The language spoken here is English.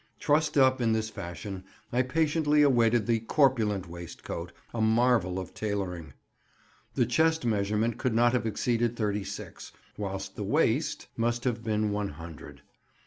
Trussed up in this fashion, I patiently awaited the "corpulent" waistcoat, a marvel of tailoring. The chest measurement could not have exceeded thirty six; whilst the waist (?) must have been one hundred.